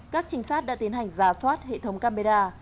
các trinh sát đã tiến hành giả soát hệ thống camera